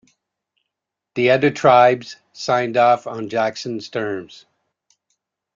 The other tribes signed off on Jackson's terms.